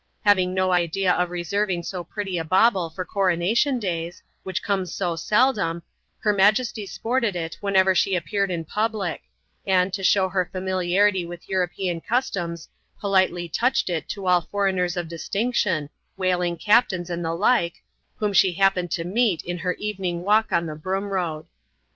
Having no idea of reserving so pretty a bauble for coronation days, which comea so seldom, her majesty sported it whenever she i^peared in public ; and, to show her familiarity with European customs, politely touched it to all foreigners of distinction — whaling captains and the like — whom she happened to naeet in her evening walk on the Brocmi Road.